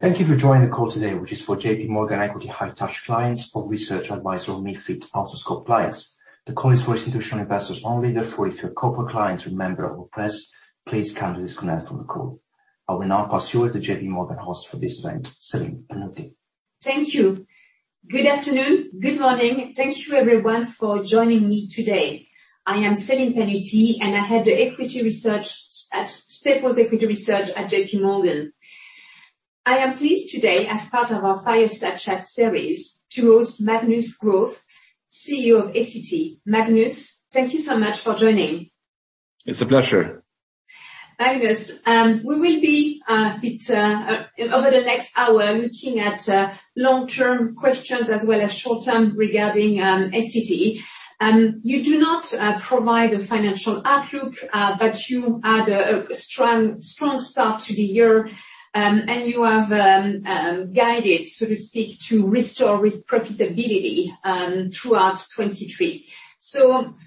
Thank you for joining the call today, which is for JPMorgan Equity High Touch clients or research advisor or MiFID out-of-scope clients. The call is for institutional investors only, therefore, if you're a corporate client or a member of the press, please kindly disconnect from the call. I will now pass you over to JPMorgan host for this event, Celine Pannuti. Thank you. Good afternoon. Good morning. Thank you everyone for joining me today. I am Celine Pannuti, and I head the equity research at staples equity research at JPMorgan. I am pleased today, as part of our fireside chat series, to host Magnus Groth, CEO of Essity. Magnus, thank you so much for joining. It's a pleasure. Magnus, we will be, it, over the next hour, looking at long-term questions as well as short-term regarding Essity. You do not provide a financial outlook, but you had a strong start to the year, and you have guided, so to speak, to restore its profitability throughout 2023.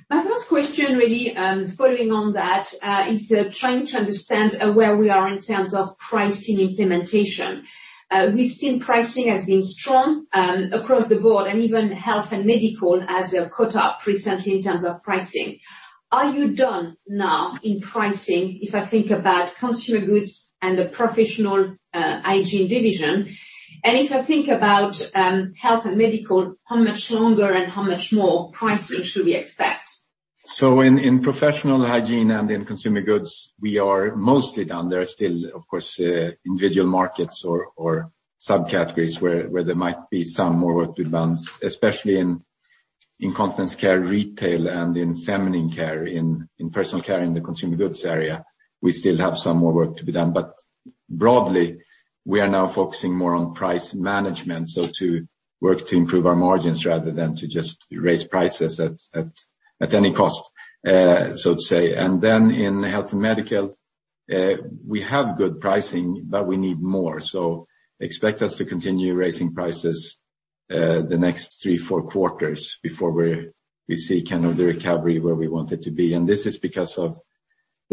My first question, really, following on that, is trying to understand where we are in terms of pricing implementation. We've seen pricing as being strong across the board and even health and medical as they have caught up recently in terms of pricing. Are you done now in pricing, if I think about consumer goods and the professional hygiene division? If I think about health and medical, how much longer and how much more pricing should we expect? In professional hygiene and in consumer goods, we are mostly down. There are still, of course, individual markets or subcategories where there might be some more work to be done, especially in continence care, retail, and in FemCare, in personal care, in the consumer goods area, we still have some more work to be done. Broadly, we are now focusing more on price management, so to work to improve our margins rather than to just raise prices at any cost, so to say. Then in health and medical, we have good pricing, but we need more. Expect us to continue raising prices the next three, four quarters before we see kind of the recovery where we want it to be. This is because of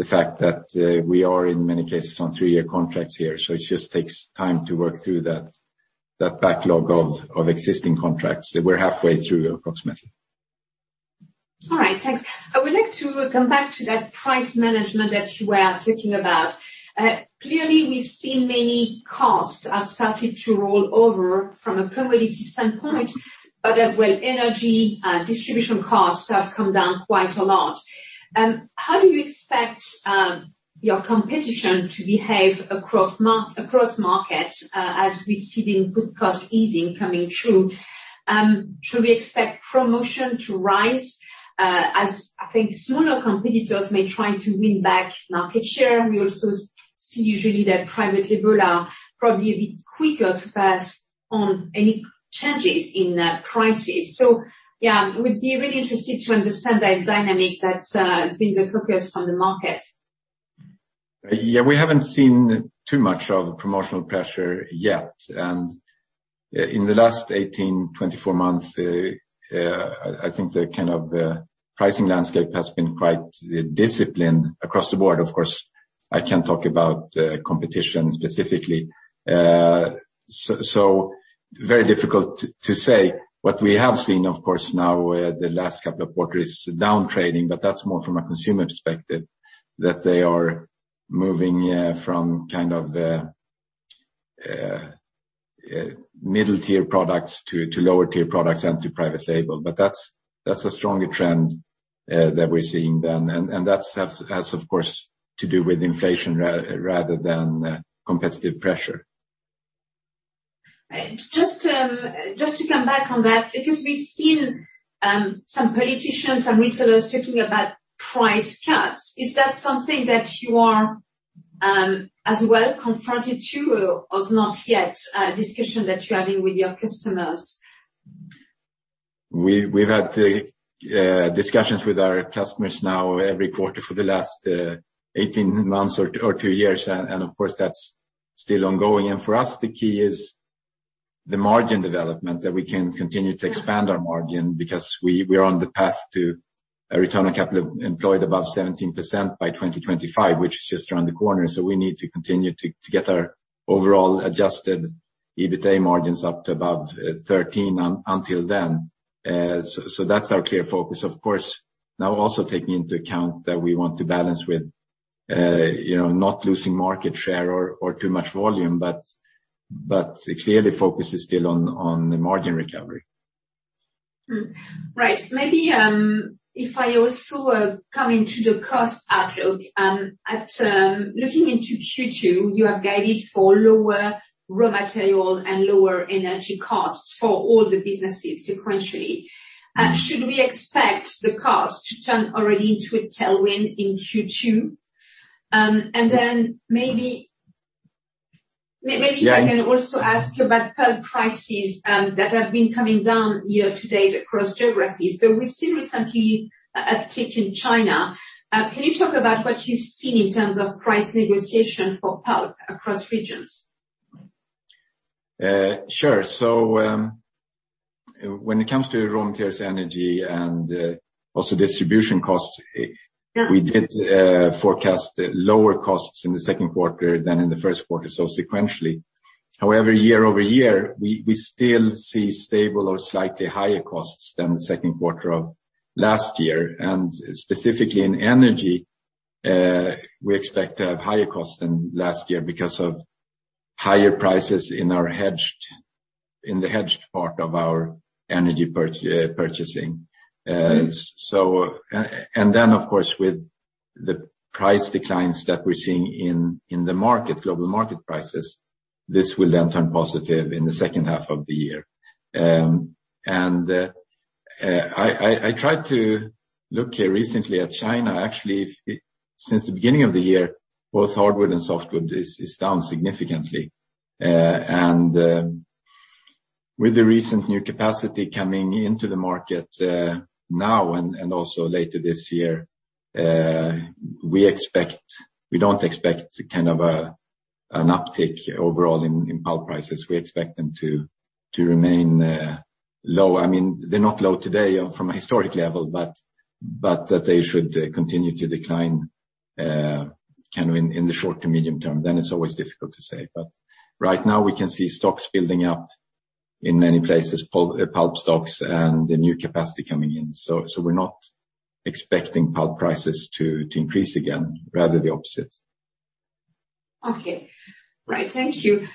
the fact that we are, in many cases, on three-year contracts here, so it just takes time to work through that backlog of existing contracts. We're halfway through, approximately. All right, thanks. I would like to come back to that price management that you were talking about. Clearly, we've seen many costs have started to roll over from a commodity standpoint, as well, energy and distribution costs have come down quite a lot. How do you expect your competition to behave across markets, as we see the input cost easing coming through? Should we expect promotion to rise, as I think smaller competitors may try to win back market share? We also see usually that private label are probably a bit quicker to pass on any changes in prices. Yeah, I would be really interested to understand that dynamic that's been the focus on the market. We haven't seen too much of a promotional pressure yet. In the last 18, 24 months, I think the kind of pricing landscape has been quite disciplined across the board. Of course, I can't talk about competition specifically. Very difficult to say. What we have seen, of course, now with the last couple of quarters, is downtrading. That's more from a consumer perspective, that they are moving from kind of the middle-tier products to lower-tier products and to private label. That's a stronger trend that we're seeing then. That has, of course, to do with inflation rather than competitive pressure. Just to come back on that, because we've seen some politicians and retailers talking about price cuts. Is that something that you are, as well confronted to, or as not yet a discussion that you are having with your customers? We've had discussions with our customers now every quarter for the last 18 months or two years, and of course, that's still ongoing. For us, the key is the margin development, that we can continue to expand our margin because we are on the path to a return on capital employed above 17% by 2025, which is just around the corner. We need to continue to get our overall adjusted EBITA margins up to above 13% until then. That's our clear focus. Of course, now also taking into account that we want to balance with, you know, not losing market share or too much volume, but clearly focus is still on the margin recovery. Right. Maybe, if I also, come into the cost outlook, at, looking into Q2, you have guided for lower raw material and lower energy costs for all the businesses sequentially. Should we expect the cost to turn already into a tailwind in Q2? Then maybe. Yeah. I can also ask you about pulp prices, that have been coming down year to date across geographies. We've seen recently a tick in China. Can you talk about what you've seen in terms of price negotiation for pulp across regions? Sure. When it comes to raw materials, energy, and also distribution costs, we did forecast lower costs in the second quarter than in the first quarter, so sequentially. However, year-over-year, we still see stable or slightly higher costs than the second quarter of last year. Specifically in energy, we expect to have higher cost than last year because of higher prices in our in the hedged part of our energy purchasing. Then, of course, with the price declines that we're seeing in the market, global market prices, this will then turn positive in the second half of the year. I tried to look here recently at China. Actually, since the beginning of the year, both hardwood and softwood is down significantly. With the recent new capacity coming into the market, now and also later this year, we don't expect kind of an uptick overall in pulp prices. We expect them to remain low. I mean, they're not low today from a historic level, but that they should continue to decline kind of in the short to medium term. It's always difficult to say. Right now, we can see stocks building up in many places, pulp stocks and the new capacity coming in. We're not expecting pulp prices to increase again, rather the opposite. Okay. Right. Thank you.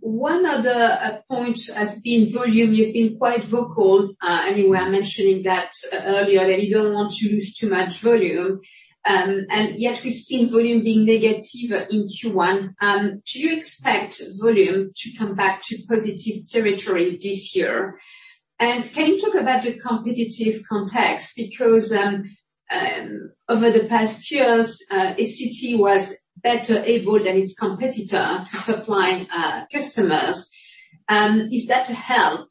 One other point has been volume. You've been quite vocal, I mean, we are mentioning that earlier, that you don't want to lose too much volume. Yet we've seen volume being negative in Q1. Do you expect volume to come back to positive territory this year? Can you talk about the competitive context? Because over the past years, SCT was better able than its competitor to supply customers, is that a help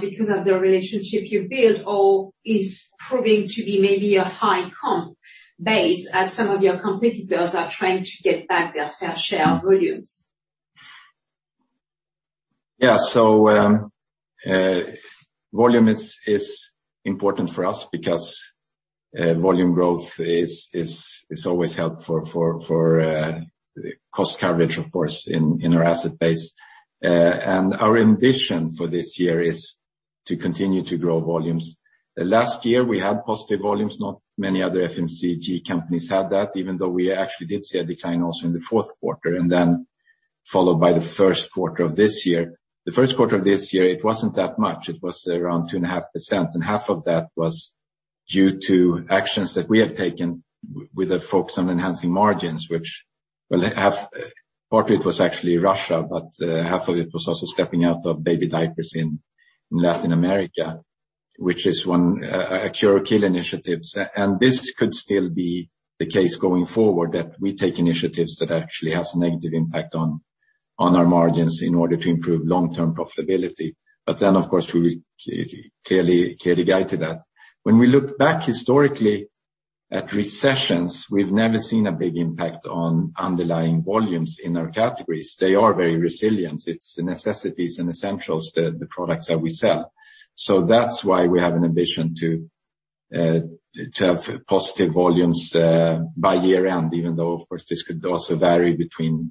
because of the relationship you built, or is proving to be maybe a high comp base, as some of your competitors are trying to get back their fair share of volumes? Volume is important for us because volume growth is always helpful for cost coverage, of course, in our asset base. Our ambition for this year is to continue to grow volumes. Last year, we had positive volumes. Not many other FMCG companies had that, even though we actually did see a decline also in the fourth quarter, and then followed by the first quarter of this year. The first quarter of this year, it wasn't that much. It was around 2.5%, and half of that was due to actions that we have taken with a focus on enhancing margins, which, well, part of it was actually Russia, but half of it was also stepping out of baby diapers in Latin America, which is one a cure kill initiatives. This could still be the case going forward, that we take initiatives that actually has a negative impact on our margins in order to improve long-term profitability. Of course, we will clearly guide to that. When we look back historically at recessions, we've never seen a big impact on underlying volumes in our categories. They are very resilient. It's the necessities and essentials, the products that we sell. That's why we have an ambition to have positive volumes by year-round, even though, of course, this could also vary between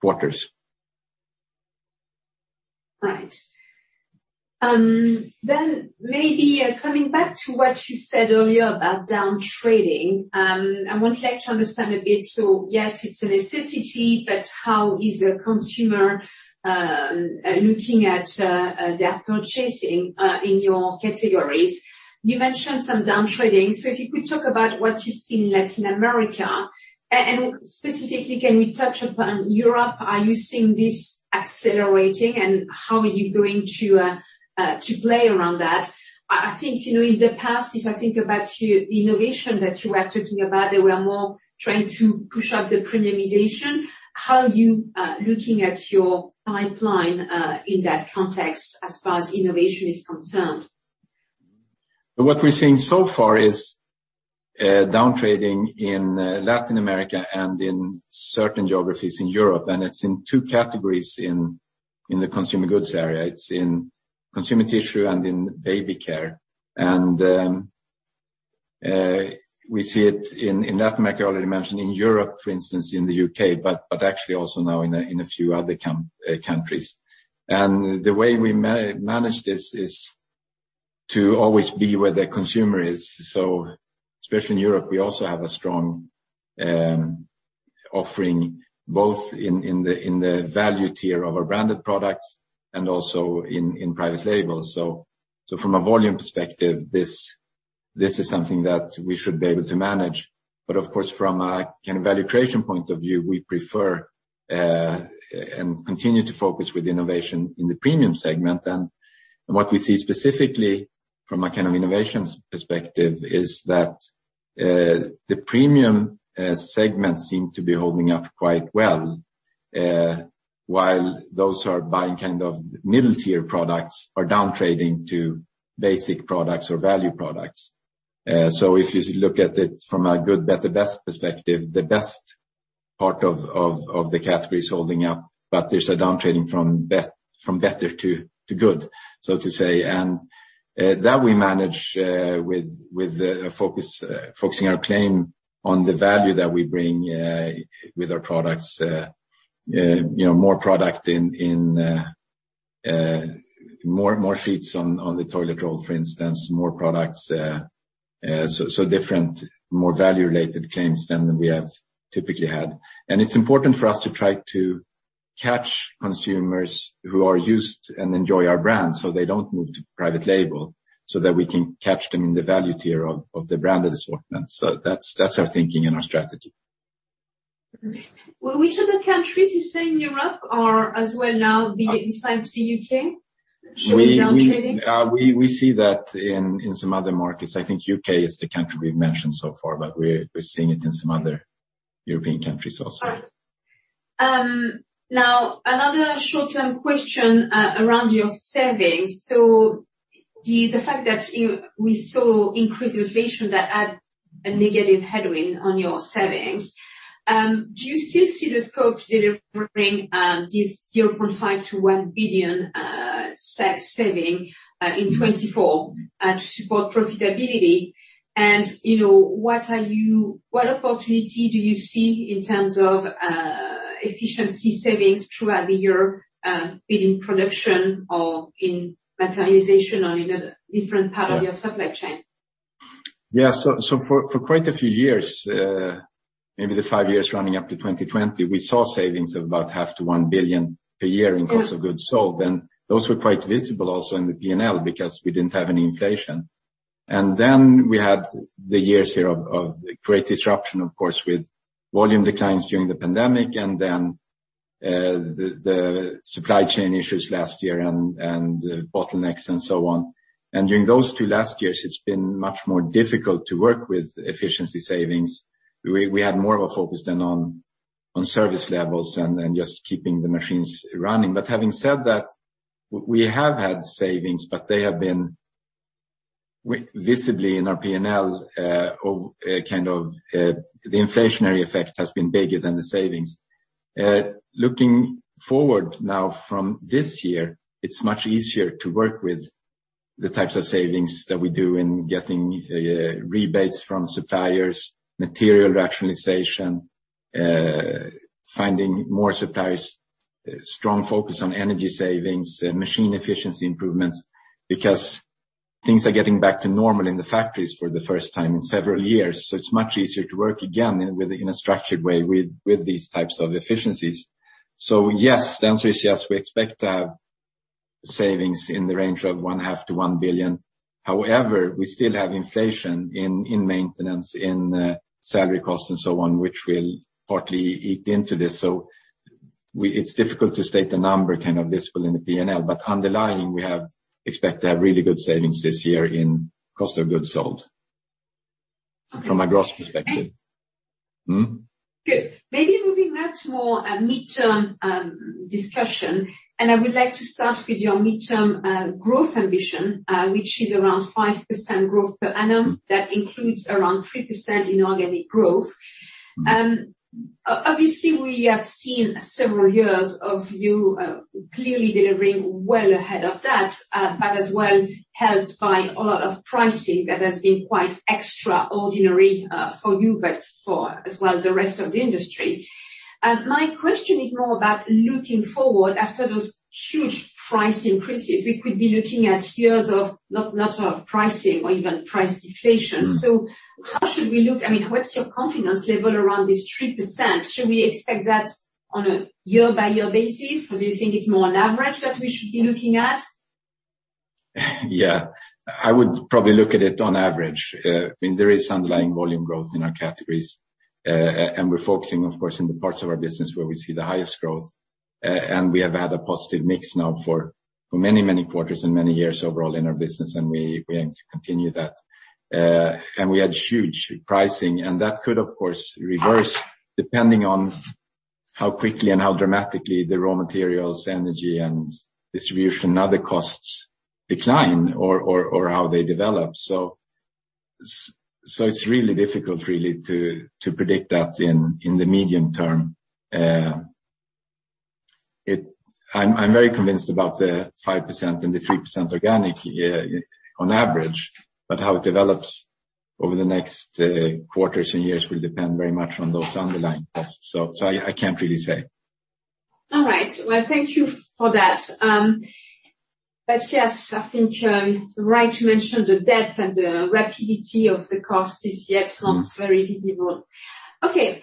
quarters. Right. Then maybe, coming back to what you said earlier about downtrading, I would like to understand a bit. Yes, it's a necessity, but how is the consumer looking at their purchasing in your categories? You mentioned some downtrading, so if you could talk about what you've seen in Latin America, and specifically, can we touch upon Europe? Are you seeing this accelerating, and how are you going to play around that? I think, you know, in the past, if I think about your innovation that you were talking about, they were more trying to push up the premiumization. How are you looking at your pipeline in that context, as far as innovation is concerned? What we're seeing so far is downtrading in Latin America and in certain geographies in Europe, and it's in two categories in the consumer goods area. It's in consumer tissue and in baby care. We see it in Latin America, I already mentioned in Europe, for instance, in the U.K., but actually also now in a few other countries. The way we manage this is to always be where the consumer is. Especially in Europe, we also have a strong offering, both in the value tier of our branded products and also in private labels. From a volume perspective, this is something that we should be able to manage. Of course, from a kind of value creation point of view, we prefer and continue to focus with innovation in the premium segment. What we see specifically from a kind of innovation perspective is that the premium segment seem to be holding up quite well, while those who are buying kind of middle tier products are downtrading to basic products or value products. So if you look at it from a good, better, best perspective, the best part of the categories holding up, but there's a downtrading from better to good, so to say. That we manage with a focus, focusing our claim on the value that we bring with our products. you know, more product in, more sheets on the toilet roll, for instance, more products. so different, more value-related claims than we have typically had. It's important for us to try to catch consumers who are used and enjoy our brands, so they don't move to private label, so that we can catch them in the value tier of the branded assortment. That's our thinking and our strategy. Well, which other countries you say in Europe are as well now, besides the U.K., showing downtrading? We see that in some other markets. I think U.K. is the country we've mentioned so far. We're seeing it in some other European countries also. Right. Now, another short-term question around your savings. So the fact that we saw increased inflation that had a negative headwind on your savings, do you still see the scope delivering this 0.5 billion-1 billion saving in 2024 to support profitability? You know, what opportunity do you see in terms of efficiency savings throughout the year, be it in production or in materialization or in a different part of your supply chain? Yeah. For quite a few years, maybe the five years running up to 2020, we saw savings of about SEK half to 1 billion per year in cost of goods sold. Those were quite visible also in the P&L because we didn't have any inflation. We had the years here of great disruption, of course, with volume declines during the pandemic, and then the supply chain issues last year and bottlenecks and so on. During those two last years, it's been much more difficult to work with efficiency savings. We had more of a focus than on service levels and just keeping the machines running. Having said that, we have had savings, but they have been visibly in our P&L, of kind of. The inflationary effect has been bigger than the savings. Looking forward now from this year, it's much easier to work with the types of savings that we do in getting rebates from suppliers, material rationalization, finding more suppliers, strong focus on energy savings, machine efficiency improvements, because things are getting back to normal in the factories for the first time in several years. It's much easier to work again in a structured way with these types of efficiencies. Yes, the answer is yes. We expect to have savings in the range of one half to 1 billion. However, we still have inflation in maintenance, in salary costs and so on, which will partly eat into this. We. It's difficult to state the number kind of visible in the P&L, but underlying, we expect to have really good savings this year in cost of goods sold, from a gross perspective. Mm-hmm. Good. Maybe moving now to more a midterm discussion. I would like to start with your midterm growth ambition, which is around 5% growth per annum. That includes around 3% in organic growth. Obviously, we have seen several years of you clearly delivering well ahead of that. As well, helped by a lot of pricing that has been quite extraordinary for you, but for as well, the rest of the industry. My question is more about looking forward after those huge price increases, we could be looking at years of not of pricing or even price deflation. Mm. How should we look? I mean, what's your confidence level around this 3%? Should we expect that on a year-by-year basis, or do you think it's more on average that we should be looking at? Yeah, I would probably look at it on average. I mean, there is underlying volume growth in our categories, and we're focusing, of course, in the parts of our business where we see the highest growth. We have had a positive mix now for many, many quarters and many years overall in our business, and we aim to continue that. We had huge pricing, and that could, of course, reverse, depending on how quickly and how dramatically the raw materials, energy, and distribution and other costs decline or how they develop. It's really difficult to predict that in the medium term. I'm very convinced about the 5% and the 3% organic, on average, but how it develops over the next quarters and years will depend very much on those underlying costs. I can't really say. All right. Well, thank you for that. Yes, I think, right to mention the depth and the rapidity of the cost is yet not very visible. Okay,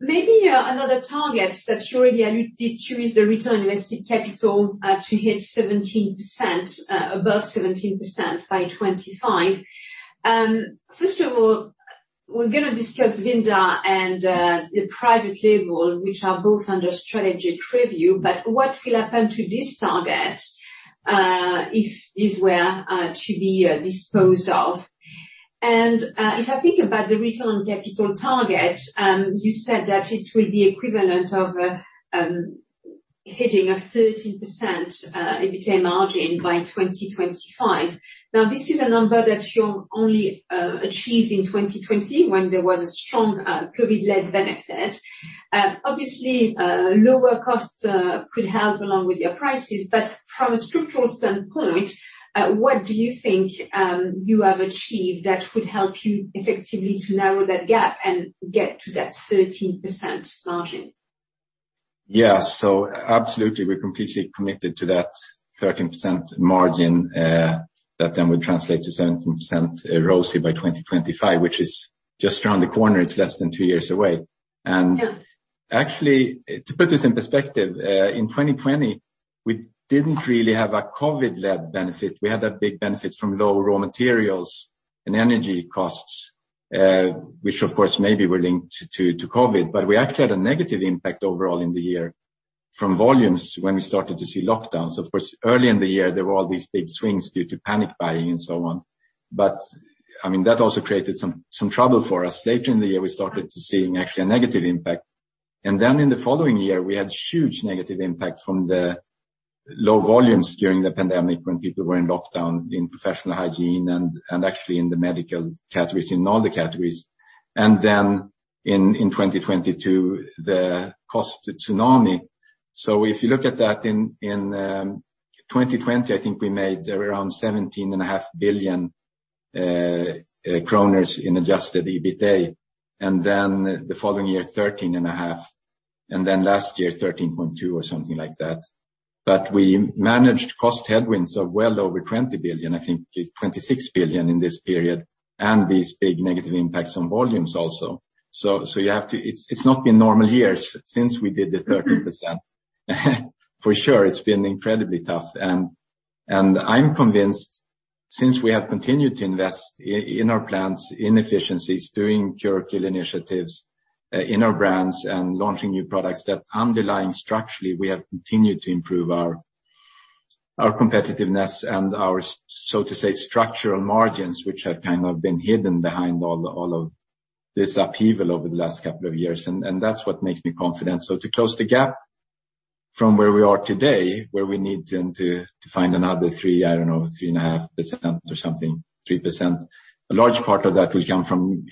maybe another target that you already alluded to is the return on invested capital, to hit 17%, above 17% by 2025. First of all, we're gonna discuss Vinda and the private label, which are both under strategic review. What will happen to this target, if these were to be disposed of? If I think about the return on capital target, you said that it will be equivalent of hitting a 13% EBITA margin by 2025. This is a number that you only achieved in 2020 when there was a strong COVID-led benefit. Obviously, lower costs could help along with your prices, but from a structural standpoint, what do you think you have achieved that could help you effectively to narrow that gap and get to that 13% margin? Yeah. Absolutely, we're completely committed to that 13% margin, that then would translate to 17% ROCE by 2025, which is just around the corner. It's less than two years away. Yeah. Actually, to put this in perspective, in 2020, we didn't really have a COVID-led benefit. We had a big benefit from low raw materials and energy costs, which of course, may be willing to COVID. We actually had a negative impact overall in the year from volumes when we started to see lockdowns. Of course, early in the year, there were all these big swings due to panic buying and so on. I mean, that also created some trouble for us. Later in the year, we started to seeing actually a negative impact. Then in the following year, we had huge negative impact from the low volumes during the pandemic when people were in lockdown, in professional hygiene and actually in the medical categories, in all the categories. In 2022, the cost tsunami. If you look at that in 2020, I think we made around 17.5 billion kronor in adjusted EBITA, and then the following year, 13.5 billion, and then last year, 13.2 billion or something like that. We managed cost headwinds of well over 20 billion, I think it's 26 billion in this period, and these big negative impacts on volumes also. It's not been normal years since we did the 13%. For sure, it's been incredibly tough, and I'm convinced since we have continued to invest in our plants, in efficiencies, doing cure kill initiatives, in our brands and launching new products, that underlying structurally, we have continued to improve our competitiveness and our so to say, structural margins, which have kind of been hidden behind all of this upheaval over the last couple of years, that's what makes me confident. To close the gap from where we are today, where we need to find another three, I don't know, 3.5% or something, 3%, a large part of that will come from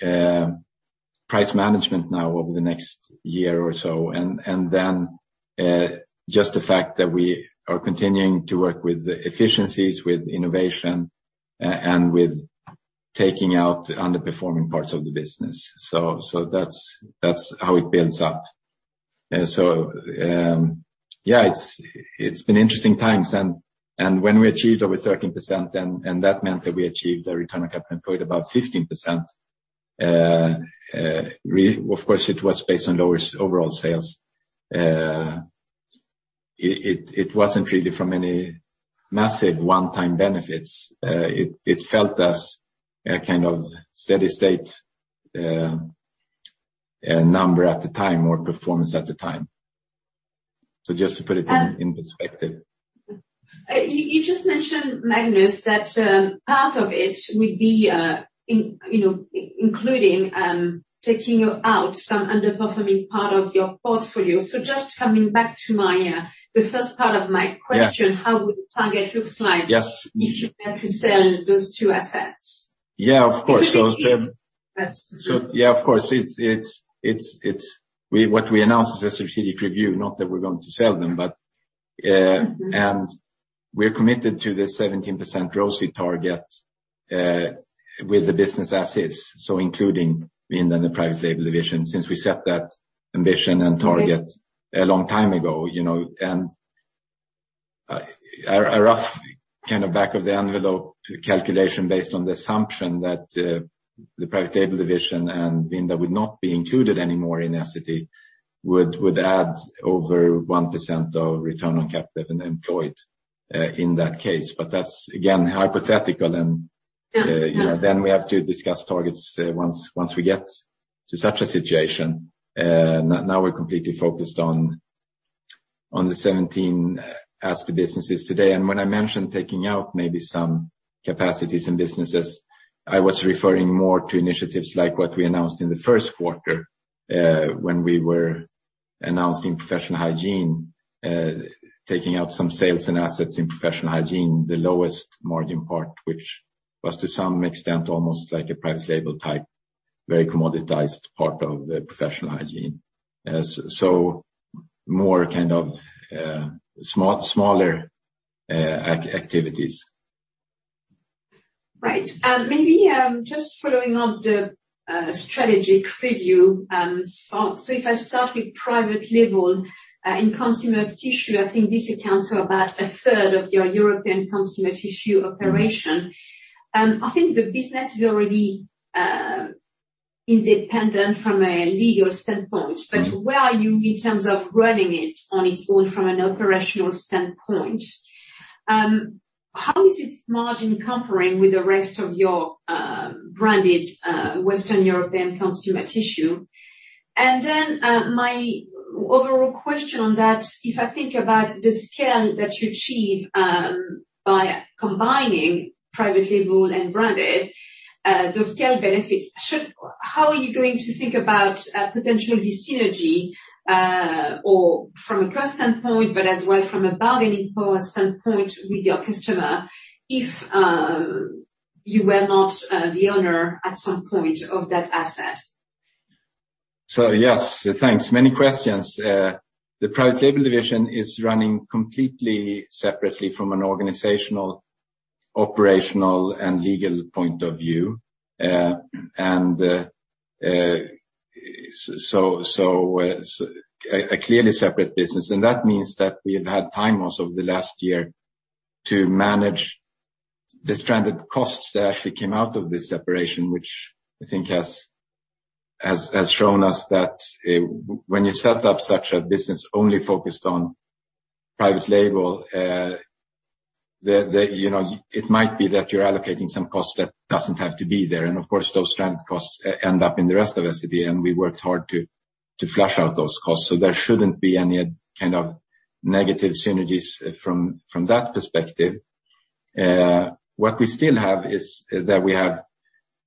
price management now over the next year or so. just the fact that we are continuing to work with efficiencies, with innovation, and with taking out underperforming parts of the business. That's how it builds up. it's been interesting times, when we achieved over 13%. That meant that we achieved a return on capital employed, about 15%. Of course, it was based on lower overall sales. It wasn't really from any massive one-time benefits. It felt as a kind of steady state number at the time or performance at the time. Just to put it. Um- -in perspective. You just mentioned, Magnus, that part of it would be, in, you know, including, taking out some underperforming part of your portfolio. Just coming back to my, the first part of my question... Yeah. how would the target looks like? Yes. If you have to sell those two assets? Yeah, of course. if it is-. yeah, of course, it's what we announced is a strategic review, not that we're going to sell them, but. Mm-hmm. We're committed to the 17% ROCE target, with the business as is, so including in the private label division, since we set that ambition and target. Mm-hmm a long time ago, you know? Rough kind of back of the envelope calculation based on the assumption that, the private label division and Vinda would not be included anymore in Essity, add over 1% of return on capital and employed, in that case. That's, again, hypothetical. Yeah. you know, then we have to discuss targets, once we get to such a situation. Now we're completely focused on the 17% as the businesses today. When I mentioned taking out maybe some capacities and businesses, I was referring more to initiatives like what we announced in the first quarter, when we were announcing Professional Hygiene, taking out some sales and assets in Professional Hygiene, the lowest margin part, which was, to some extent, almost like a private label type, very commoditized part of the Professional Hygiene. So more kind of smaller activities. Right. Maybe, just following up the strategic review, if I start with private label in consumer tissue, I think this accounts for about a third of your European consumer tissue operation. Mm-hmm. I think the business is already independent from a legal standpoint. Mm-hmm. Where are you in terms of running it on its own from an operational standpoint? How is its margin comparing with the rest of your branded Western European consumer tissue? Then, my overall question on that, if I think about the scale that you achieve, by combining private label and branded, those scale benefits, how are you going to think about potential dyssynergy or from a cost standpoint, but as well from a bargaining power standpoint with your customer, if you were not the owner at some point of that asset? Yes, thanks. Many questions. The private label division is running completely separately from an organizational, operational, and legal point of view, and a clearly separate business, and that means that we have had time most of the last year to manage the stranded costs that actually came out of this separation, which I think has shown us that when you set up such a business only focused on private label, the... You know, it might be that you're allocating some cost that doesn't have to be there, and of course, those stranded costs end up in the rest of Essity, and we worked hard to flush out those costs. There shouldn't be any kind of negative synergies from that perspective. What we still have is that we have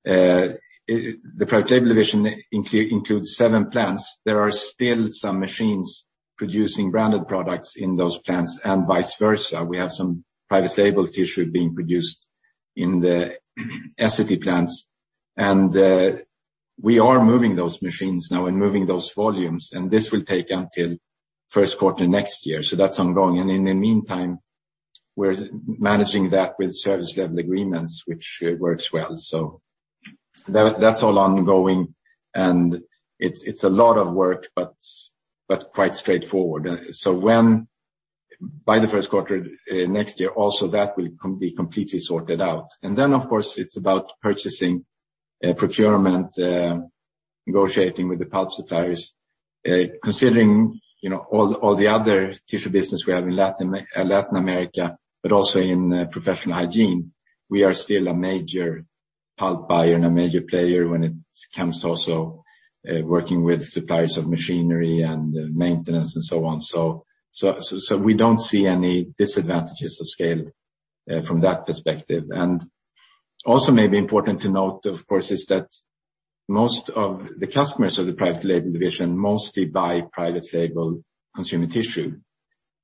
the private label division includes seven plants. There are still some machines producing branded products in those plants, and vice versa. We have some private label tissue being produced in the Essity plants. We are moving those machines now and moving those volumes, and this will take until first quarter next year. That's ongoing. In the meantime, we're managing that with service level agreements, which works well. That's all ongoing, and it's a lot of work, but quite straightforward. By the first quarter next year, also that will be completely sorted out. Then, of course, it's about purchasing, procurement, negotiating with the pulp suppliers. Considering, you know, all the other tissue business we have in Latin America, but also in professional hygiene, we are still a major pulp buyer and a major player when it comes to also working with suppliers of machinery and maintenance and so on. We don't see any disadvantages of scale from that perspective. Also maybe important to note, of course, is that most of the customers of the private label division mostly buy private label consumer tissue.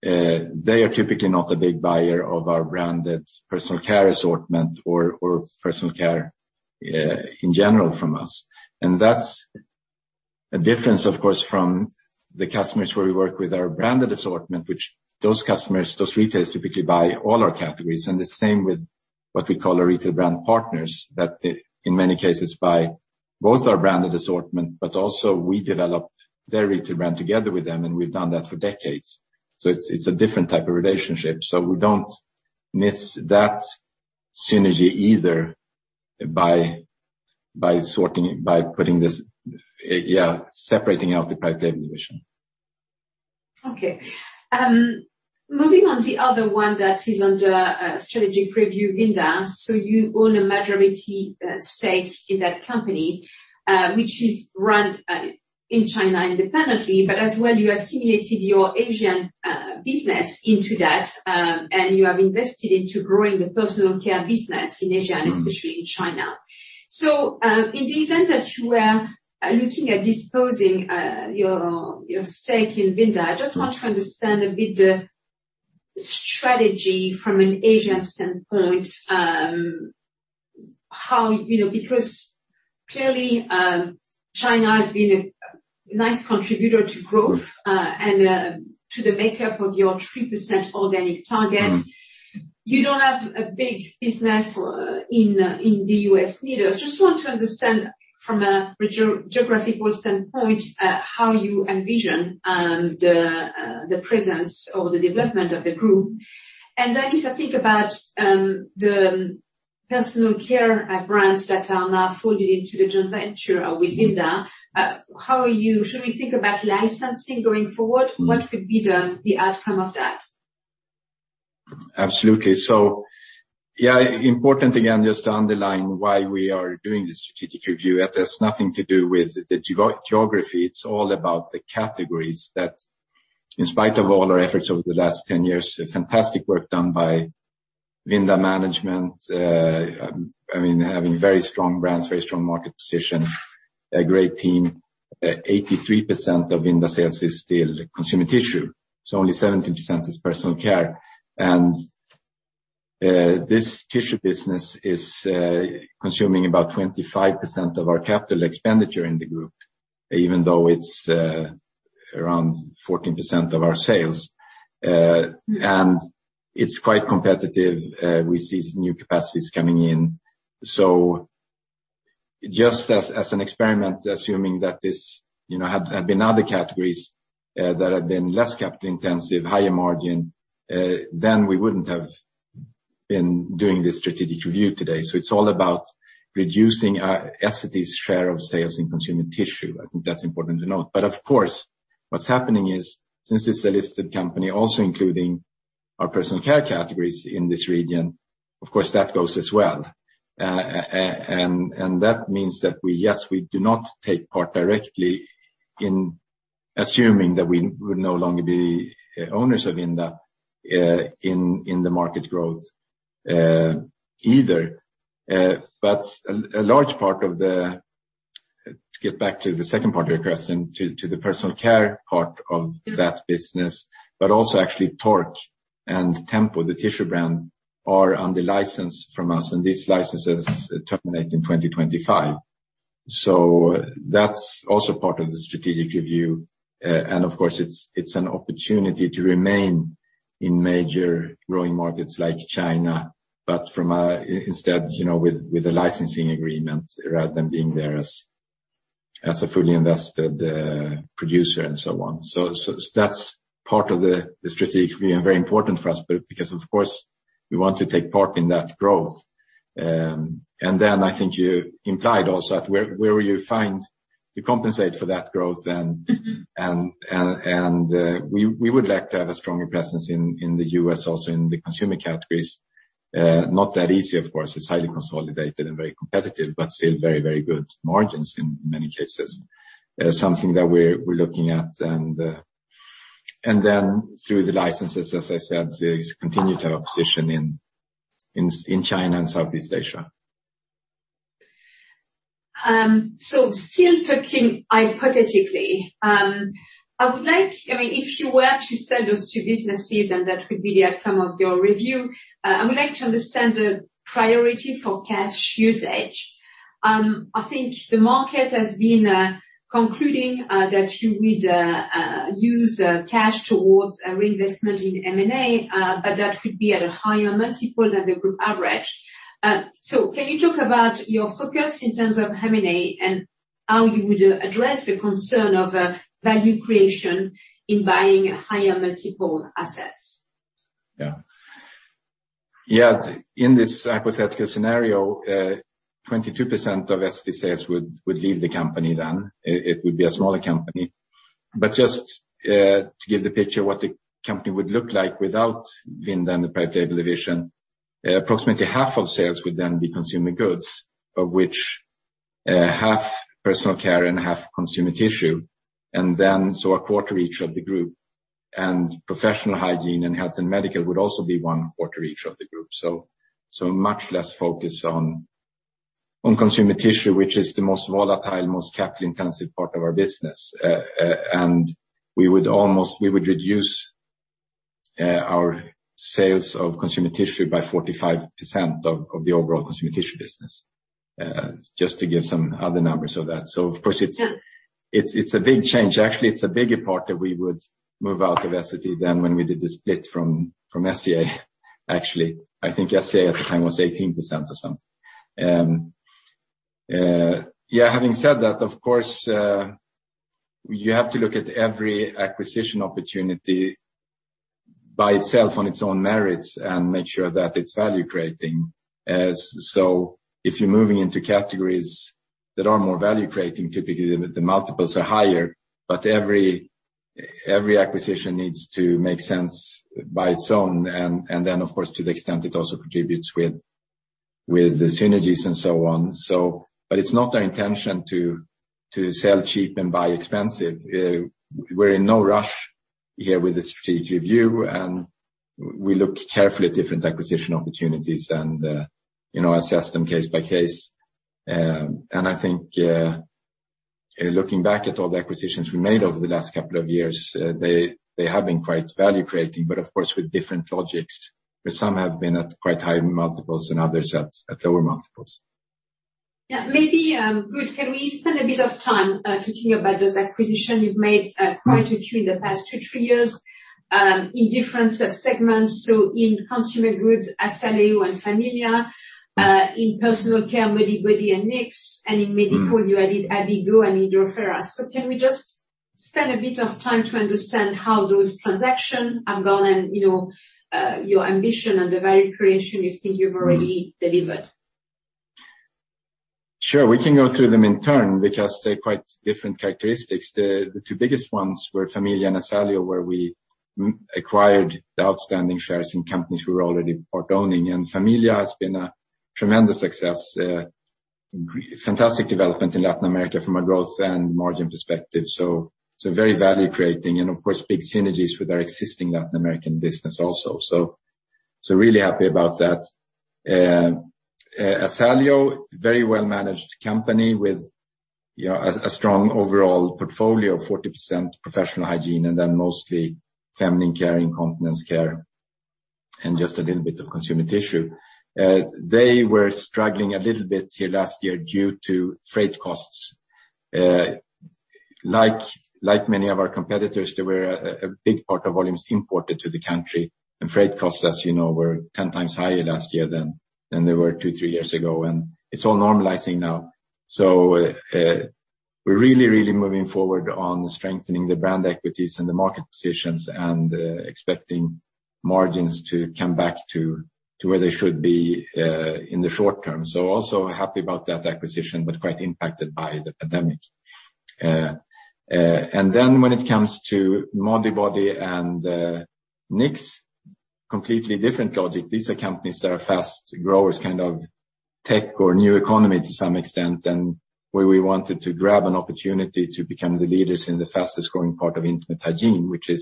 They are typically not a big buyer of our branded personal care assortment or personal care in general from us. That's a difference, of course, from the customers where we work with our branded assortment, which those customers, those retailers, typically buy all our categories, and the same with what we call our retail brand partners, that they, in many cases, buy both our branded assortment, but also we develop their retail brand together with them, and we've done that for decades. It's a different type of relationship. We don't miss that synergy either by sorting, by putting this separating out the private label division. Okay. Moving on, the other one that is under strategic review, Vinda. You own a majority stake in that company, which is run in China independently, but as well, you assimilated your Asian business into that, and you have invested into growing the personal care business in Asia- Mm... and especially in China. In the event that you are looking at disposing your stake in Vinda, I just want to understand a bit the strategy from an Asian standpoint. You know, because clearly, China has been a nice contributor to growth, and to the makeup of your 3% organic target. Mm. You don't have a big business in the US either. Just want to understand from a geographical standpoint, how you envision the presence or the development of the group. If I think about the personal care brands that are now fully into the joint venture with Vinda, should we think about licensing going forward? Mm. What could be the outcome of that? Absolutely. Yeah, important, again, just to underline why we are doing this strategic review, that has nothing to do with the geography. It's all about the categories that, in spite of all our efforts over the last 10 years, fantastic work done by Vinda management, I mean, having very strong brands, very strong market position, a great team. 83% of Vinda sales is still consumer tissue, so only 17% is personal care. This tissue business is consuming about 25% of our capital expenditure in the group, even though it's around 14% of our sales. It's quite competitive, we see new capacities coming in. Just as an experiment, assuming that this, you know, had been other categories, that had been less capital-intensive, higher margin, then we wouldn't have been doing this strategic review today. It's all about reducing Essity's share of sales in consumer tissue. I think that's important to note. Of course, what's happening is, since it's a listed company, also including our personal care categories in this region, of course, that goes as well. That means that we, yes, we do not take part directly in assuming that we would no longer be owners of Vinda in the market growth either. To get back to the second part of your question, to the personal care part of that business, but also actually Tork and Tempo, the tissue brand, are under license from us, and these licenses terminate in 2025. That's also part of the strategic review. Of course, it's an opportunity to remain in major growing markets like China, but from instead, you know, with a licensing agreement, rather than being there as a fully invested producer and so on. That's part of the strategic view and very important for us, but because of course, we want to take part in that growth. I think you implied also at where you find to compensate for that growth, we would like to have a stronger presence in the U.S., also in the consumer categories. Not that easy, of course, it's highly consolidated and very competitive, but still very, very good margins in many cases. Something that we're looking at. Through the licenses, as I said, to continue to have a position in China and Southeast Asia. Still talking hypothetically, I mean, if you were to sell those two businesses, and that would be the outcome of your review, I would like to understand the priority for cash usage. I think the market has been concluding that you would use cash towards a reinvestment in M&A, but that could be at a higher multiple than the group average. Can you talk about your focus in terms of M&A, and how you would address the concern of value creation in buying higher multiple assets? Yeah. Yeah, in this hypothetical scenario, 22% of SCA sales would leave the company then. It would be a smaller company. Just to give the picture what the company would look like without Vinda and the Private Label division, approximately half of sales would then be consumer goods, of which half personal care and half consumer tissue, a quarter each of the group. Professional hygiene and health and medical would also be one quarter each of the group. Much less focus on consumer tissue, which is the most volatile, most capital-intensive part of our business. And we would almost, we would reduce our sales of consumer tissue by 45% of the overall consumer tissue business, just to give some other numbers of that. Of course, it's- Yeah It's a big change. Actually, it's a bigger part that we would move out of SCT than when we did the split from SCA. Actually, I think SCA at the time was 18% or something. Having said that, of course, you have to look at every acquisition opportunity by itself on its own merits and make sure that it's value-creating. If you're moving into categories that are more value-creating, typically the multiples are higher, but every acquisition needs to make sense by its own, and then, of course, to the extent it also contributes with the synergies and so on. It's not our intention to sell cheap and buy expensive. We're in no rush here with the strategic view, and we look carefully at different acquisition opportunities and, you know, assess them case by case. I think looking back at all the acquisitions we made over the last couple of years, they have been quite value-creating, but of course, with different logics, where some have been at quite high multiples and others at lower multiples. Maybe, good, can we spend a bit of time talking about this acquisition? You've made quite a few in the past two to three years in different segments. In consumer groups, Asaleo and Familia, in personal care, Modibodi and Knix, and in medical- Mm-hmm... you added ABIGO and Idoferra. Can we just spend a bit of time to understand how those transactions have gone and, you know, your ambition and the value creation you think you've already delivered? Sure, we can go through them in turn because they're quite different characteristics. The two biggest ones were Familia and Asaleo, where we acquired the outstanding shares in companies we were already part-owning. Familia has been a tremendous success, fantastic development in Latin America from a growth and margin perspective. Very value-creating, and of course, big synergies with our existing Latin American business also. Really happy about that. Asaleo, very well-managed company with, you know, a strong overall portfolio, 40% professional hygiene, and then mostly feminine care, incontinence care, and just a little bit of consumer tissue. They were struggling a little bit here last year due to freight costs. Like many of our competitors, there were a big part of volumes imported to the country, and freight costs, as you know, were 10x higher last year than they were two, three years ago, and it's all normalizing now. We're really moving forward on strengthening the brand equities and the market positions and expecting margins to come back to where they should be in the short term. Also happy about that acquisition, but quite impacted by the pandemic. When it comes to Modibodi and Knix... completely different logic. These are companies that are fast growers, kind of tech or new economy to some extent, and where we wanted to grab an opportunity to become the leaders in the fastest growing part of intimate hygiene, which is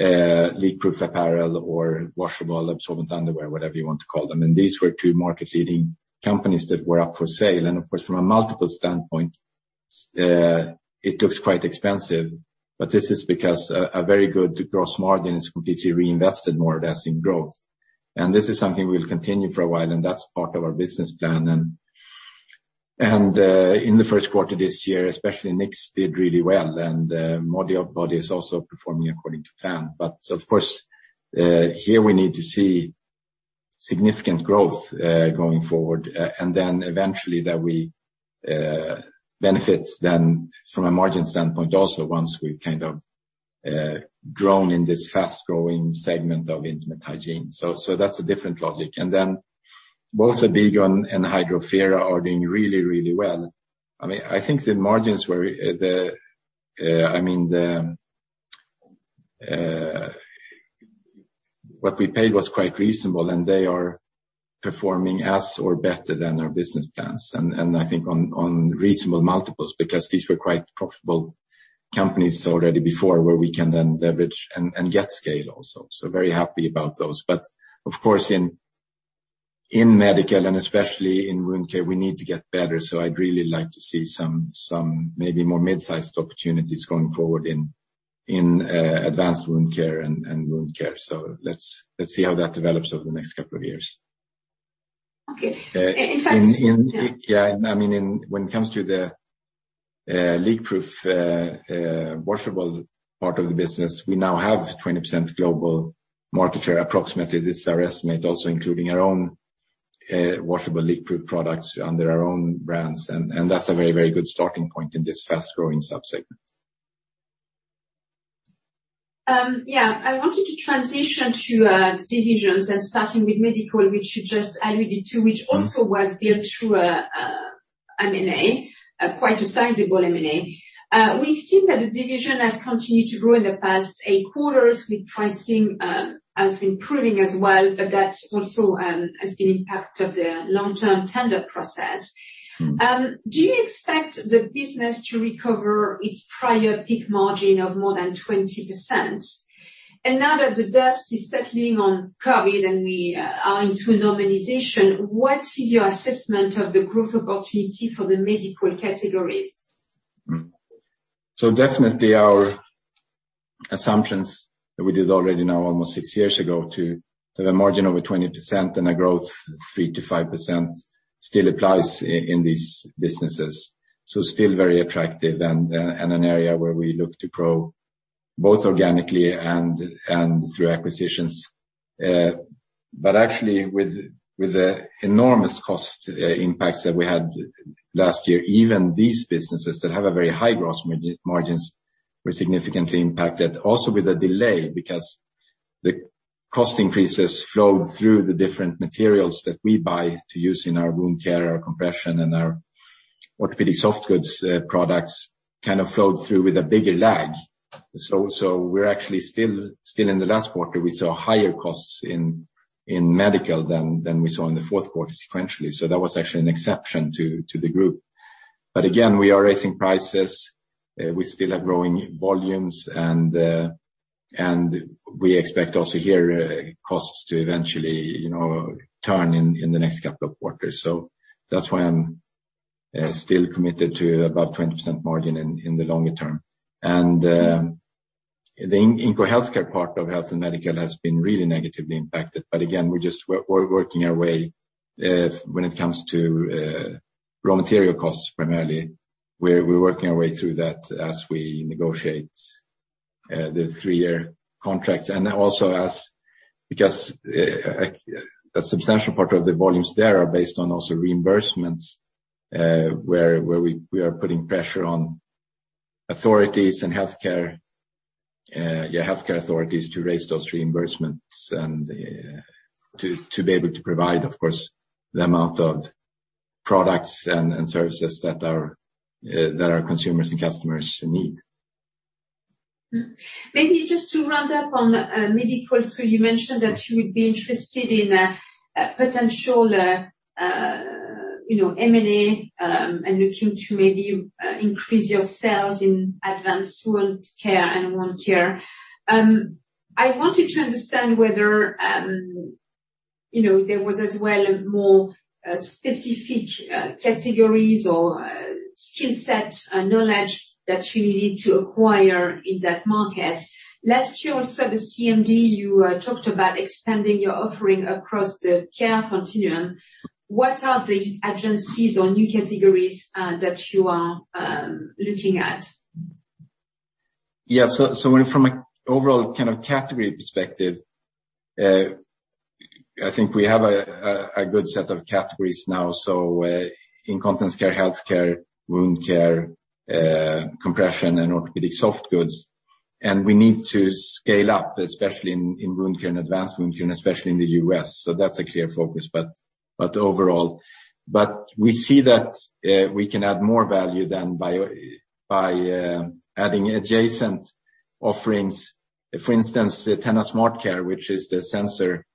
leakproof apparel or washable, absorbent underwear, whatever you want to call them. These were two market-leading companies that were up for sale. Of course, from a multiple standpoint, it looks quite expensive, but this is because a very good gross margin is completely reinvested, more or less in growth. This is something we will continue for a while, and that's part of our business plan. In the first quarter this year, especially Knix did really well, and Modibodi is also performing according to plan. Of course, here we need to see significant growth going forward, and then eventually that we benefits then from a margin standpoint, also, once we've kind of grown in this fast-growing segment of intimate hygiene. That's a different logic. Then both ABIGO and Hydrofera are doing really, really well. I mean, I think the margins were, I mean, what we paid was quite reasonable, and they are performing as or better than our business plans, and I think on reasonable multiples, because these were quite profitable companies already before, where we can then leverage and get scale also. Very happy about those. Of course, in medical, and especially in wound care, we need to get better. I'd really like to see some maybe more mid-sized opportunities going forward in advanced wound care and wound care. Let's see how that develops over the next couple of years. Okay. In, yeah, I mean, in when it comes to the leakproof washable part of the business, we now have 20% global market share, approximately. This is our estimate, also, including our own washable, leakproof products under our own brands. That's a very, very good starting point in this fast-growing sub-segment. I wanted to transition to divisions and starting with medical, which you just alluded to, which also was built through a M&A, a quite sizable M&A. We've seen that the division has continued to grow in the past eight quarters, with pricing as improving as well, that also has been impacted the long-term tender process. Mm. Do you expect the business to recover its prior peak margin of more than 20%? Now that the dust is settling on COVID and we are into normalization, what is your assessment of the growth opportunity for the medical categories? Definitely our assumptions, we did already know almost six years ago, to the margin over 20% and a growth of 3%-5% still applies in these businesses. Still very attractive and an area where we look to grow, both organically and through acquisitions. Actually with the enormous cost impacts that we had last year, even these businesses that have a very high gross margins, were significantly impacted. Also with a delay, because the cost increases flowed through the different materials that we buy to use in our wound care, our compression, and our orthopedic soft goods products, kind of flowed through with a bigger lag. We're actually still in the last quarter, we saw higher costs in medical than we saw in the fourth quarter sequentially. That was actually an exception to the group. Again, we are raising prices, we still have growing volumes, and we expect also here, costs to eventually, you know, turn in the next couple of quarters. That's why I'm still committed to about 20% margin in the longer term. The Inco healthcare part of health and medical has been really negatively impacted. Again, we're working our way when it comes to raw material costs, primarily. We're working our way through that as we negotiate the three-year contracts. Also as... A substantial part of the volumes there are based on also reimbursements, where we are putting pressure on authorities and healthcare authorities to raise those reimbursements and to be able to provide, of course, the amount of products and services that our consumers and customers need. Maybe just to round up on medical. You mentioned that you would be interested in a potential, you know, M&A, and looking to maybe increase your sales in advanced wound care and wound care. I wanted to understand whether, you know, there was as well, a more specific categories or skill set knowledge that you need to acquire in that market. Last year, also, the CMD, you talked about expanding your offering across the care continuum. What are the agencies or new categories that you are looking at? When from a overall kind of category perspective, I think we have a good set of categories now. Incontinence care, healthcare, wound care, compression, and orthopedic soft goods. We need to scale up, especially in wound care and advanced wound care, and especially in the U.S. That's a clear focus. Overall, we see that we can add more value than by adding adjacent offerings. For instance, the TENA SmartCare, which is the sensor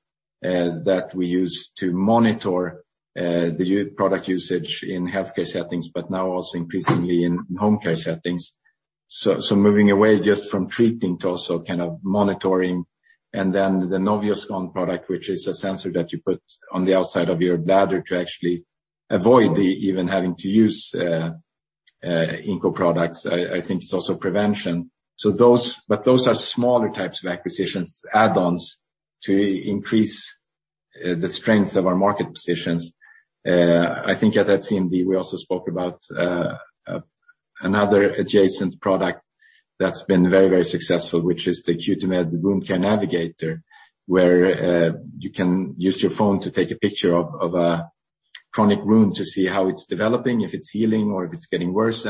that we use to monitor the product usage in healthcare settings, but now also increasingly in home care settings. Moving away just from treating to also kind of monitoring, and then the Novioscan product, which is a sensor that you put on the outside of your bladder to actually avoid the, even having to use, INCO products. I think it's also prevention. Those are smaller types of acquisitions, add-ons, to increase the strength of our market positions. I think at that CMD, we also spoke about another adjacent product that's been very, very successful, which is the Cutimed Wound Navigator, where you can use your phone to take a picture of a chronic wound to see how it's developing, if it's healing, or if it's getting worse,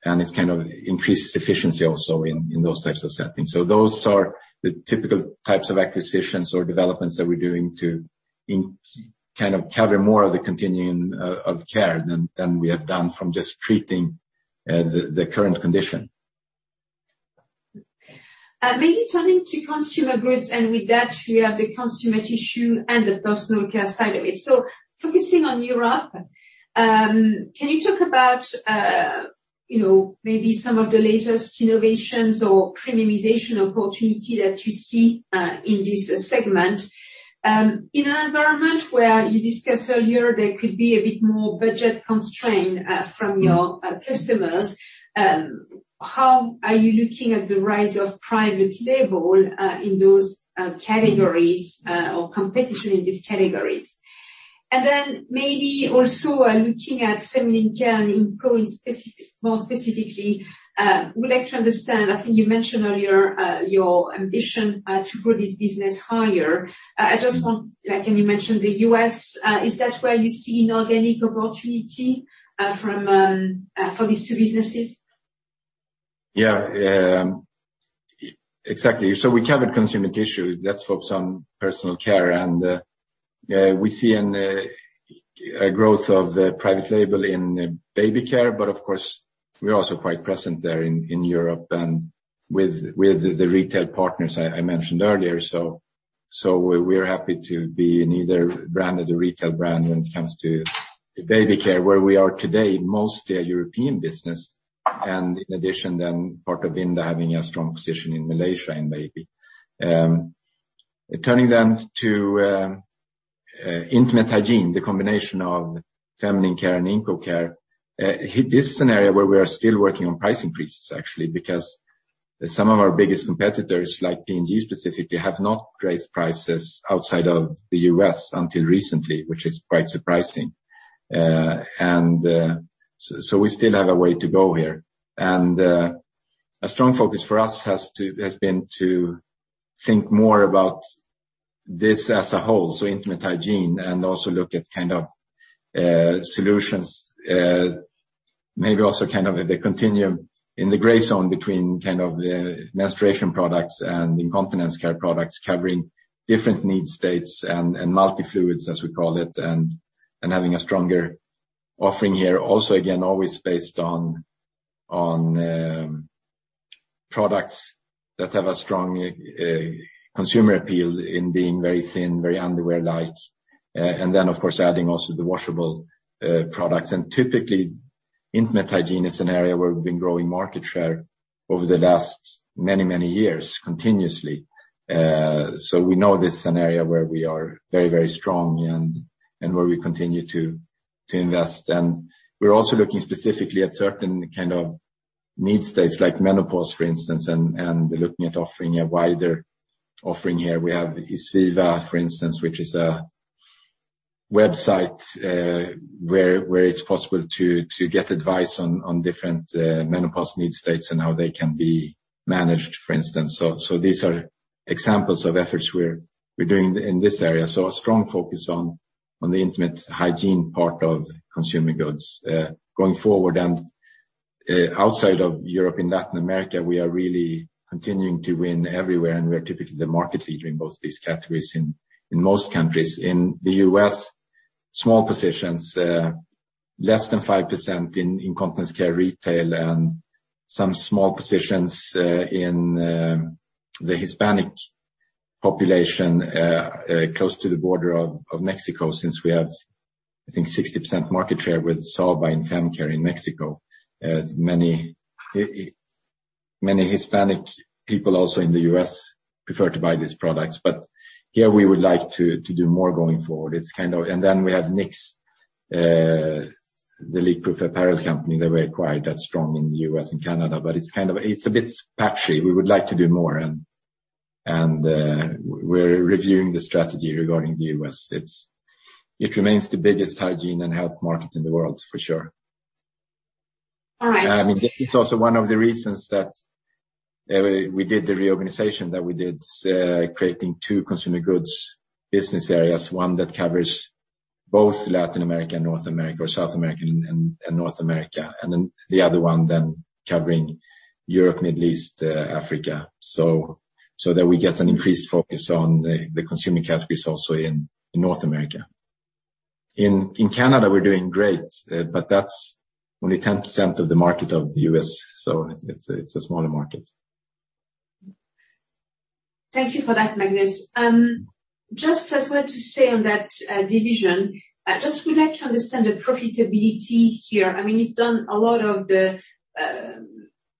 and also you have a recommendation on product usage. Which is very valuable in these times when staff turnover is very high in healthcare settings, and it's kind of increases efficiency also in those types of settings. Those are the typical types of acquisitions or developments that we're doing to kind of cover more of the continuum of care than we have done from just treating the current condition. Maybe turning to consumer goods. With that, we have the consumer tissue and the personal care side of it. Focusing on Europe, can you talk about, you know, maybe some of the latest innovations or premiumization opportunity that you see in this segment? In an environment where you discussed earlier, there could be a bit more budget constraint from your customers, how are you looking at the rise of private label in those categories or competition in these categories? Then maybe also, looking at feminine care and including more specifically, we'd like to understand, I think you mentioned earlier, your ambition to grow this business higher. I just want, like, you mentioned the U.S., is that where you see an organic opportunity for these two businesses? Yeah, exactly. We covered consumer tissue. Let's focus on personal care, and we see a growth of the private label in baby care, but of course, we're also quite present there in Europe and with the retail partners I mentioned earlier. We're happy to be in either brand or the retail brand when it comes to baby care, where we are today, mostly a European business, and in addition, then part of Vinda having a strong position in Malaysia in baby. Turning then to intimate hygiene, the combination of feminine care and INCO care. This is an area where we are still working on price increases, actually, because some of our biggest competitors, like P&G specifically, have not raised prices outside of the U.S. until recently, which is quite surprising. So we still have a way to go here. A strong focus for us has been to think more about this as a whole, so intimate hygiene, and also look at kind of, solutions, maybe also kind of the continuum in the gray zone between kind of the menstruation products and incontinence care products, covering different need states and multi-fluids, as we call it, and having a stronger offering here. Also, again, always based on, products that have a strong, consumer appeal in being very thin, very underwear-like, and then, of course, adding also the washable, products. Typically, intimate hygiene is an area where we've been growing market share over the last many, many years, continuously. So we know this is an area where we are very, very strong and where we continue to invest. We're also looking specifically at certain kind of need states, like menopause, for instance, and looking at offering a wider offering here. We have Issviva, for instance, which is a website where it's possible to get advice on different menopause need states and how they can be managed, for instance. These are examples of efforts we're doing in this area. A strong focus on the intimate hygiene part of consumer goods. Going forward and outside of Europe, in Latin America, we are really continuing to win everywhere, and we are typically the market leader in both these categories in most countries. In the U.S., small positions, less than 5% in incontinence care retail and some small positions in the Hispanic population close to the border of Mexico, since we have, I think, 60% market share with Saba and FemCare in Mexico. Many Hispanic people also in the U.S. prefer to buy these products, but here we would like to do more going forward. It's kind of... Then we have Knix, the leakproof apparel company that we acquired that's strong in the U.S. and Canada, but it's kind of, it's a bit patchy. We would like to do more, and we're reviewing the strategy regarding the U.S. It remains the biggest hygiene and health market in the world, for sure. All right. I mean, it's also one of the reasons we did the reorganization that we did, creating two consumer goods business areas, one that covers both Latin America and North America, or South America and North America, the other one covering Europe, Middle East, Africa. That we get an increased focus on the consumer categories also in North America. In Canada, we're doing great, but that's only 10% of the market of the U.S., so it's a smaller market. Thank you for that, Magnus. I just want to say on that division, just would like to understand the profitability here. I mean, you've done a lot of the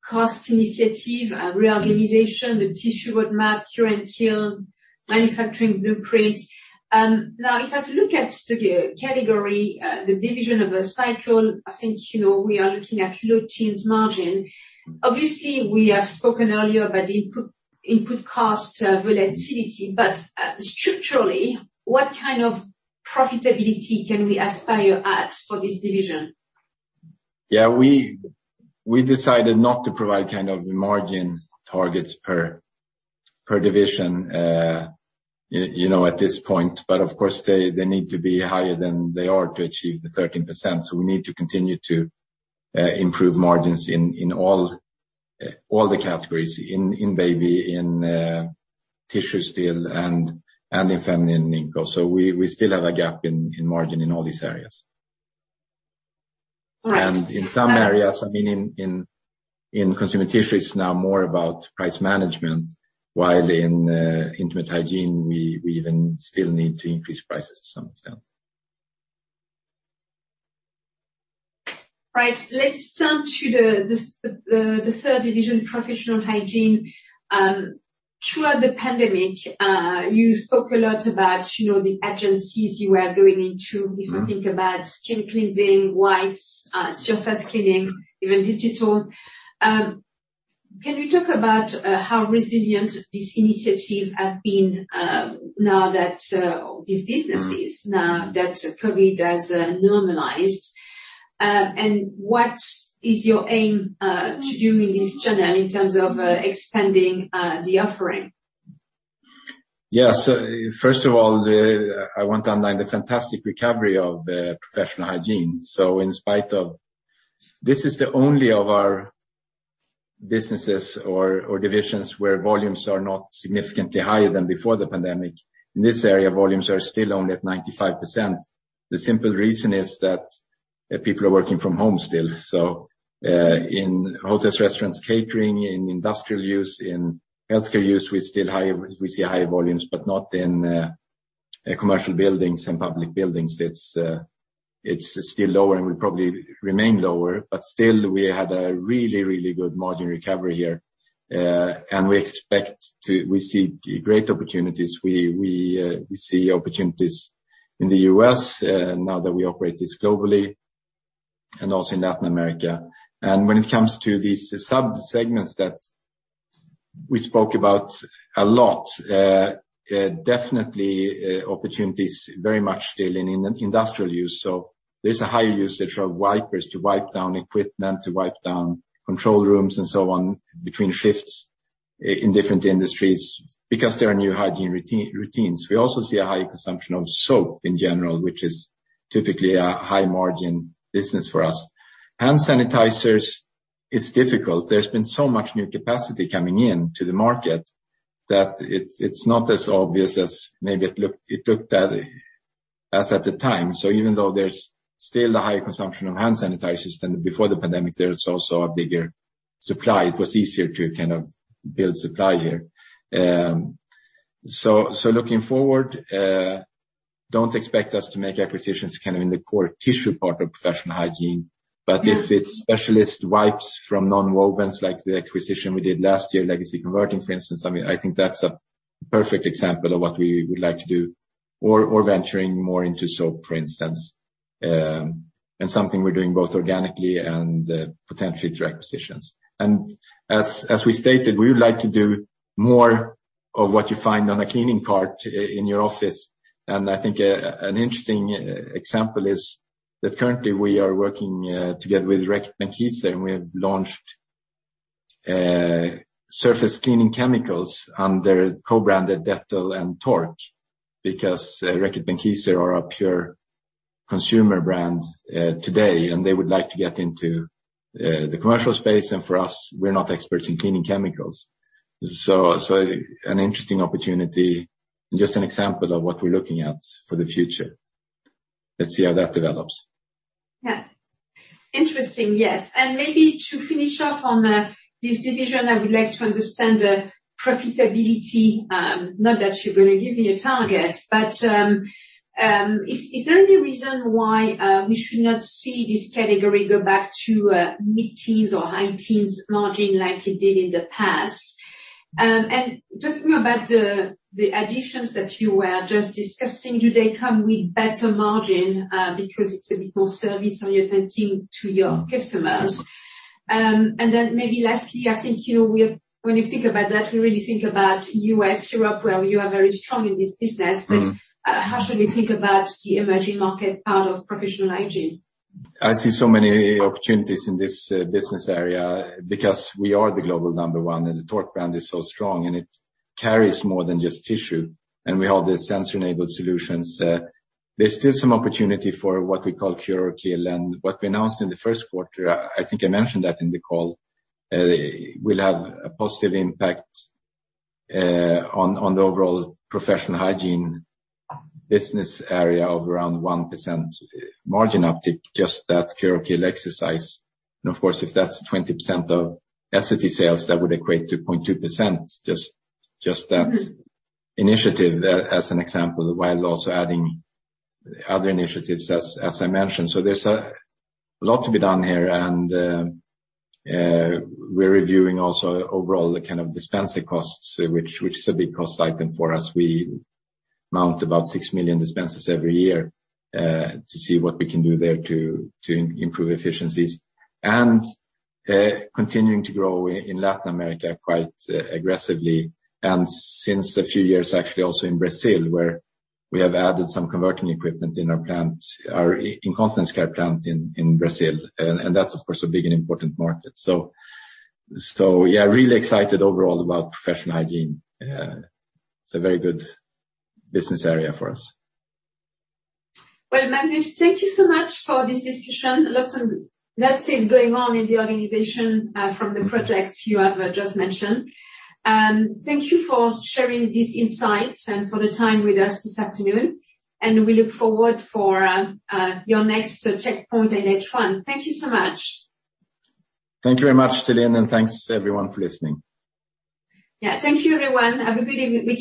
cost initiative, reorganization, the Tissue Roadmap, cure kill, Manufacturing Roadmap. Now, if I look at the category, the division of a cycle, I think, you know, we are looking at low teens margin. Obviously, we have spoken earlier about input cost volatility, but structurally, what kind of profitability can we aspire at for this division? Yeah, we decided not to provide kind of margin targets per division, you know, at this point. Of course, they need to be higher than they are to achieve the 13%. We need to continue to improve margins in all the categories, in baby, in tissue still, and in feminine and INCO. We still have a gap in margin in all these areas. Right. In some areas, I mean, in consumer tissue, it's now more about price management, while in intimate hygiene, we even still need to increase prices to some extent. Right. Let's turn to the, the third division, Professional Hygiene. Throughout the pandemic, you spoke a lot about, you know, the agencies you were going into... Mm-hmm. If you think about skin cleansing, wipes, surface cleaning, even digital. Can you talk about how resilient this initiative have been, now that these businesses- Mm. now that COVID has, normalized? What is your aim, to do in this channel in terms of, expanding, the offering? Yes. First of all, I want to underline the fantastic recovery of Professional Hygiene. In spite of. This is the only of our businesses or divisions where volumes are not significantly higher than before the pandemic. In this area, volumes are still only at 95%. The simple reason is that people are working from home still. In hotels, restaurants, catering, in industrial use, in healthcare use, we still see high volumes, but not in commercial buildings and public buildings. It's still lower and will probably remain lower, but still, we had a really, really good margin recovery here. We expect to see great opportunities. We see opportunities in the U.S. now that we operate this globally and also in Latin America. When it comes to these sub-segments that we spoke about a lot, definitely opportunities very much still in industrial use. There's a higher usage of wipers to wipe down equipment, to wipe down control rooms and so on, between shifts in different industries, because there are new hygiene routines. We also see a higher consumption of soap in general, which is typically a high-margin business for us. Hand sanitizers is difficult. There's been so much new capacity coming in to the market that it's not as obvious as maybe it looked at the time. Even though there's still a higher consumption of hand sanitizers than before the pandemic, there is also a bigger supply. It was easier to kind of build supply here. Looking forward, don't expect us to make acquisitions kind of in the core tissue part of Professional Hygiene. Yeah. If it's specialist wipes from nonwovens, like the acquisition we did last year, Legacy Converting, for instance, I mean, I think that's a perfect example of what we would like to do, or venturing more into soap, for instance, and something we're doing both organically and potentially through acquisitions. As we stated, we would like to do more of what you find on a cleaning cart in your office. I think, an interesting example is that currently we are working together with Reckitt Benckiser, and we have launched surface cleaning chemicals under co-branded Dettol and Tork, because Reckitt Benckiser are a pure consumer brand today, and they would like to get into the commercial space, and for us, we're not experts in cleaning chemicals. An interesting opportunity and just an example of what we're looking at for the future. Let's see how that develops. Yeah. Interesting, yes. Maybe to finish off on this division, I would like to understand the profitability, not that you're gonna give me a target, but, is there any reason why we should not see this category go back to mid-teens or high teens margin like it did in the past? Talking about the additions that you were just discussing, do they come with better margin, because it's a bit more service-oriented to your customers? Then maybe lastly, I think when you think about that, you really think about U.S., Europe, where you are very strong in this business. Mm-hmm. How should we think about the emerging market, part of Professional Hygiene?... I see so many opportunities in this business area because we are the global number one, and the Tork is so strong, and it carries more than just tissue, and we have the sensor-enabled solutions. There's still some opportunity for what we call Curakle, and what we announced in the first quarter, I think I mentioned that in the call, will have a positive impact on the overall professional hygiene business area of around 1% margin uptick, just that Curakle exercise. Of course, if that's 20% of SCT sales, that would equate to 0.2%, just that initiative there as an example, while also adding other initiatives as I mentioned. There's a lot to be done here, and we're reviewing also overall the kind of dispenser costs, which is a big cost item for us. We mount about six million dispensers every year to see what we can do there to improve efficiencies. Continuing to grow in Latin America quite aggressively, and since a few years, actually, also in Brazil, where we have added some converting equipment in our plant, our incontinence care plant in Brazil. That's of course, a big and important market. Really excited overall about professional hygiene. It's a very good business area for us. Well, Magnus, thank you so much for this discussion. Lots and lots is going on in the organization, from the projects you have just mentioned. Thank you for sharing these insights and for the time with us this afternoon. We look forward for your next checkpoint in H1. Thank you so much. Thank you very much, Celine. Thanks, everyone, for listening. Yeah. Thank you, everyone. Have a good weekend.